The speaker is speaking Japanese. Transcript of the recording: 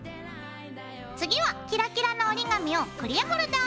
次はキラキラの折り紙をクリアホルダーに挟みます。